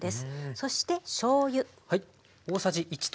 そしてしょうゆ。